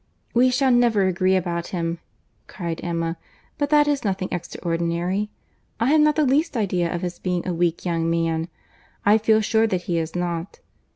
"We shall never agree about him," cried Emma; "but that is nothing extraordinary. I have not the least idea of his being a weak young man: I feel sure that he is not.